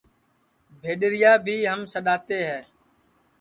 بھیڈؔیریا بھی ہم سڈؔاتے ہے